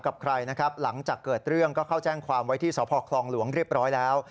กับใครนะครับหลังจากเกิดเรื่องก็เข้าแจ้งความไว้ที่สพคลองหลวงเรียบร้อยแล้ว